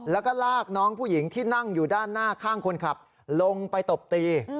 แล้วก็ลากน้องผู้หญิงที่นั่งอยู่ด้านหน้าข้างคนขับลงไปตบตี